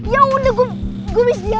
ya udah gue gue bisa diam gini